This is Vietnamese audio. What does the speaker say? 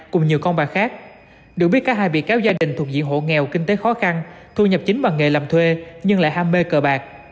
cùng nhiều con bạc khác được biết cả hai bị kéo gia đình thuộc diện hộ nghèo kinh tế khó khăn thu nhập chính bằng nghề làm thuê nhưng lại ham mê cờ bạc